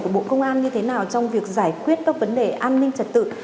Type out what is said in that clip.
của bộ công an như thế nào trong việc giải quyết các vấn đề an ninh trật tự